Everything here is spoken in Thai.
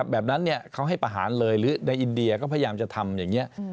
แบบนั้นเขาให้ประหารเลยหรือในอินเดียก็พยายามจะทำอย่างนี้